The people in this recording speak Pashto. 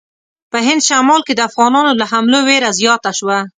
په هند شمال کې د افغانانو له حملو وېره زیاته شوه.